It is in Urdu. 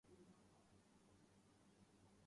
قدرتی جھیلیں ہیں